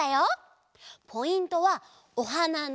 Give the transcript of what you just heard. ポイントはおはなのここ！